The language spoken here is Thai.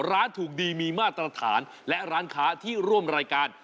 ร้านถูกดีมีมาตรฐานและร้านค้าที่ร่วมรายการ